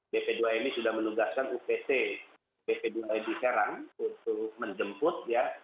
bp dua mi sudah menugaskan upt bp dua mi di serang untuk menjemput ya